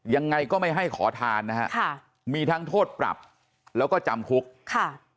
ยังไงก็ไม่ให้ขอทานนะฮะค่ะมีทั้งโทษปรับแล้วก็จำคุกค่ะ